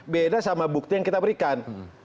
beda sama bukti yang kita berikan